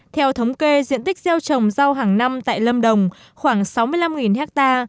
theo thống kê diện tích gieo trồng rau hàng năm tại lâm đồng khoảng sáu mươi năm ha